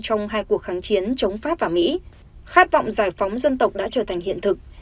trong hai cuộc kháng chiến chống pháp và mỹ khát vọng giải phóng dân tộc đã trở thành hiện thực